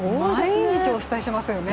毎日お伝えしていますよね。